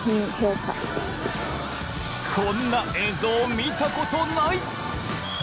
こんな映像見たことない！